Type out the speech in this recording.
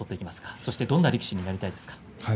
そしてどんな力士になりたいですか？